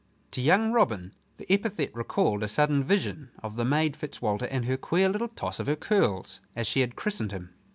To young Robin the epithet recalled a sudden vision of the maid Fitzwalter and her queer little toss of her curls as she had christened him.